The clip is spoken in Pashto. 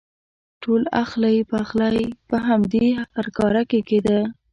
ټول اخلی پخلی په همدې هرکاره کې کېده.